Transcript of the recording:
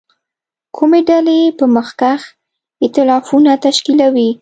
کومې ډلې به مخکښ اېتلافونه تشکیلوي.